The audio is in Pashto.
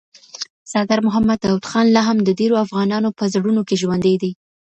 سردار محمد داود خان لا هم د ډېرو افغانانو په زړونو کي ژوندی دی.